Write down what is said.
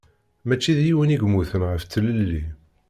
Mačči d yiwen i yemmuten ɣef tlelli.